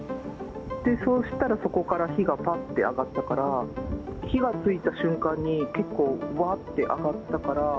そうしたら、そこから火がぱって上がったから、火がついた瞬間に、結構、わーっ